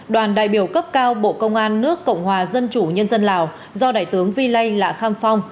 đoàn đại biểu cấp cao bộ công an nước cộng hòa dân chủ nhân dân lào do đại tướng vi lây lạ kham phong